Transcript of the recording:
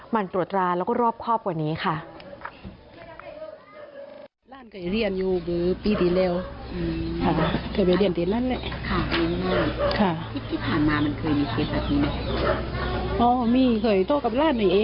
มันตรวจตราแล้วก็รอบครอบกว่านี้ค่ะ